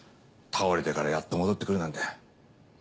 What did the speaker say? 倒れてからやっと戻ってくるなんて。